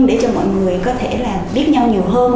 để cho mọi người có thể là biết nhau nhiều hơn